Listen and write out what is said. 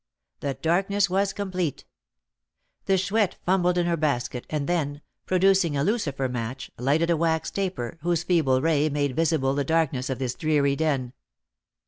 The darkness was complete. The Chouette fumbled in her basket, and then, producing a lucifer match, lighted a wax taper, whose feeble ray made visible the darkness of this dreary den.